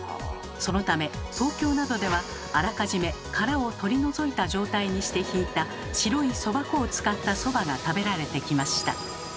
そのため東京などではあらかじめ殻を取り除いた状態にしてひいた白いそば粉を使ったそばが食べられてきました。